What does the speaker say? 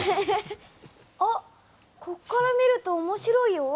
あっこっから見ると面白いよ。